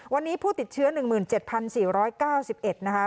วันนี้ผู้ติดเชื้อ๑๗๔๙๑นะคะ